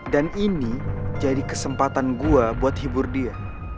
dan ini jadi kesempatan gue buat hibur dia